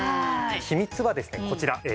秘密はですねこちら。